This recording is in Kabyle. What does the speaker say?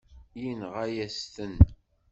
Yenɣa-yas-ten.